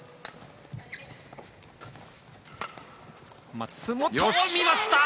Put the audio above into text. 松本、見ました！